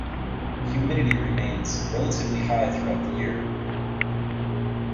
Humidity remains relatively high throughout the year.